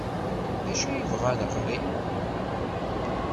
D acu ay bɣan ɣer-i?